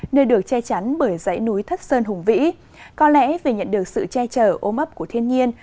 nơi được che chắn bởi dãy núi thất sơn hùng vĩ có lẽ vì nhận được sự che chở ô hấp của thiên nhiên